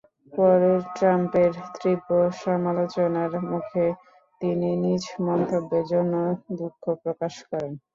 পরে ট্রাম্পের তীব্র সমালোচনার মুখে তিনি নিজ মন্তব্যের জন্য দুঃখ প্রকাশ করেন।